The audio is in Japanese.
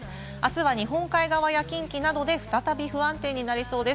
あすは日本海側や近畿などで再び不安定になりそうです。